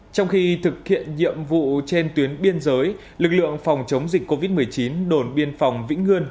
trong khi thực hiện nhiệm vụ trên tuyến biên giới lực lượng phòng chống dịch covid một mươi chín đồn biên phòng vĩnh ngươn